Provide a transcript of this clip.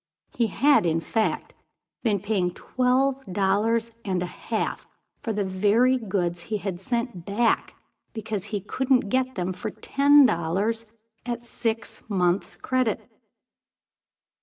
He had, in fact, been paying twelve dollars and a half for the very goods he had sent back because he couldn't get them for ten dollars, at six months credit.